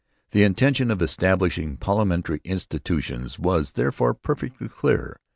The intention of establishing parliamentary institutions was, therefore, perfectly clear.